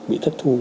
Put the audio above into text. bị thất thu